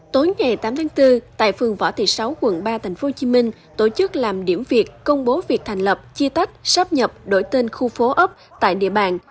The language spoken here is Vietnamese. tối ngày tám tháng bốn tại phường võ thị sáu quận ba tp hcm tổ chức làm điểm việc công bố việc thành lập chia tách sáp nhập đổi tên khu phố ấp tại địa bàn